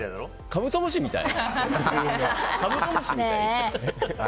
カブトムシみたい？